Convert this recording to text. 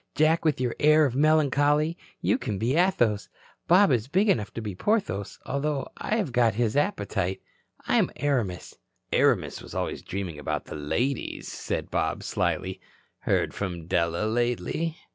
Jack with your air of melancholy you can be Athos. Bob is big enough to be Porthos, although I have got his appetite. I'm Aramis." "Aramis was always dreaming about the ladies," said Bob slily. "Heard from Della lately?"